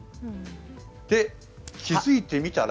で、気付いてみたら。